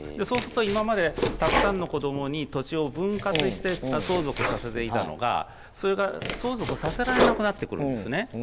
そうすると今までたくさんの子どもに土地を分割して相続をさせていたのがそれが相続させられなくなってくるんですね。